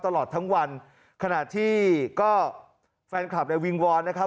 ตลอดทั้งวันขณะที่ก็แฟนคลับในวิงวอนนะครับ